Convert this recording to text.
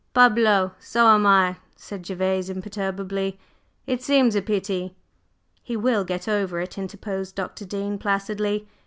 "Parbleu! So am I," said Gervase imperturbably; "it seems a pity." "He will get over it," interposed Dr. Dean placidly.